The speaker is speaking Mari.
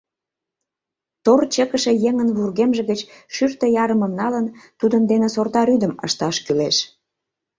Тор чыкыше еҥын вургемже гыч шӱртӧ ярымым налын, тудын дене сорта рӱдым ышташ кӱлеш.